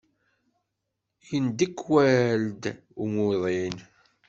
Yendekwal-d umuḍin.